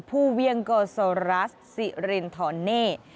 ผู้เวียงก็สอรัสสิรินทอเนต